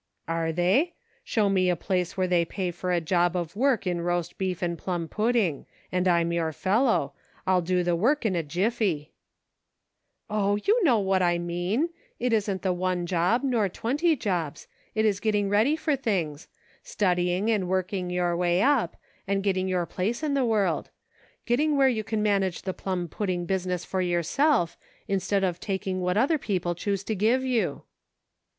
" Are they ? Show me a place where they pay for a job of work in roast beef and plum pudding, and I'm your fellow ; I'll do the work in a jiffy." 42 PRACTICING. " Oh ! you know what I mean ; it isn't the one job, nor twenty jobs, it is getting ready for things ; studying and working your way up, and getting your place in the world ; getting where you can manage the plum pudding business for yourself, instead of taking what other people choose to give you."